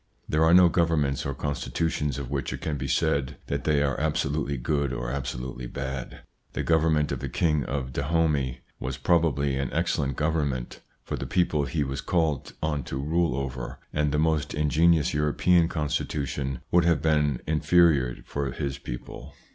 There are no governments or constitutions of which it can be said that they are absolutely good or absolutely bad. The govern ment of the King of Dahomey was probably an excellent government for the people he was called on to rule over, and the most ingenious European constitution would have been inferior for his people.